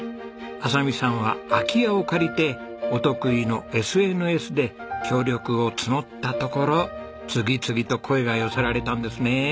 亜沙美さんは空き家を借りてお得意のＳＮＳで協力を募ったところ次々と声が寄せられたんですね。